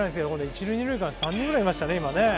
一・二塁間、３人ぐらいいましたね。